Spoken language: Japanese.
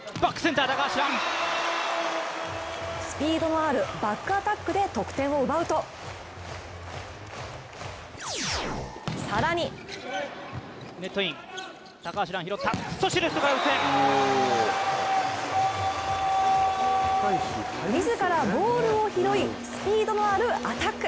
スピードのあるバックアタックで得点を奪うと更に自らボールを拾いスピードのあるアタック！